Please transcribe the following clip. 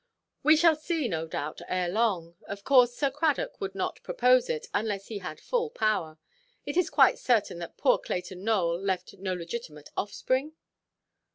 "We shall see, no doubt, ere long. Of course Sir Cradock would not propose it, unless he had full power. Is it quite certain that poor Clayton Nowell left no legitimate offspring?"